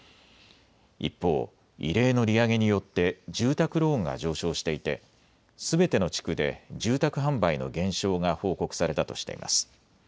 一方、異例の利上げによって住宅ローンが上昇していてすべての地区で住宅販売の減少が報告されたとしています。